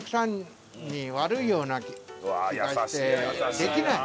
できない！